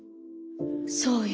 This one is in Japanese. そうよ。